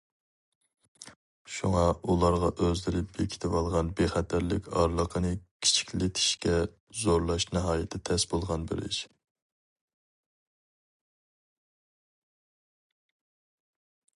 شۇڭا ئۇلارغا ئۆزلىرى بېكىتىۋالغان بىخەتەرلىك ئارىلىقىنى كىچىكلىتىشكە زورلاش ناھايىتى تەس بولغان بىر ئىش.